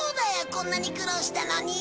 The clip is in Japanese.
こんなに苦労したのに。